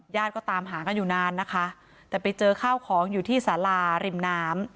ก็ตามหากันอยู่นานนะคะแต่ไปเจอข้าวของอยู่ที่สาราริมน้ำ